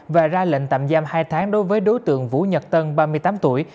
và ra lệnh tạm giam hai tháng đối với đối tượng vũ nhật tân ba mươi tám tuổi